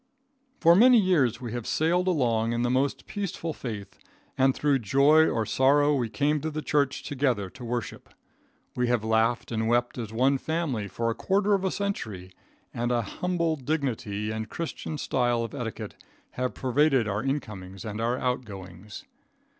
For many years we have sailed along in the most peaceful faith, and through joy or sorrow we came to the church together to worship. We have laughed and wept as one family for a quarter of a century, and an humble dignity and Christian style of etiquette have pervaded our incomings and our outgoings.